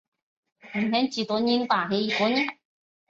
阉党及东林党崛起。